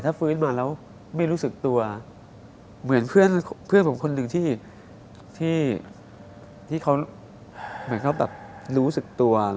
ถ้าฟื้นมาแล้วไม่รู้สึกตัวเหมือนเพื่อนผมคนหนึ่งที่เขาเหมือนเขาแบบรู้สึกตัว